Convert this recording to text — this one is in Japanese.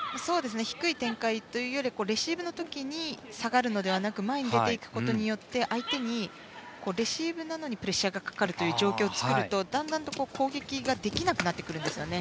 低い展開というよりレシーブの時下がるのではなく前に出ていくことによって相手に、レシーブなのにプレッシャーがかかるという状況を作ると、だんだんと攻撃ができなくなってくるんですね。